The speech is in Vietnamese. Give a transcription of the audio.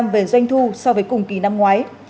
về doanh thu so với cùng kỳ năm ngoái